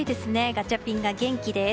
ガチャピンが元気です。